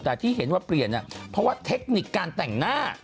แต่ที่เห็นว่าเปลี่ยนเนี่ยเพราะว่าเทคนิคการแต่งหน้า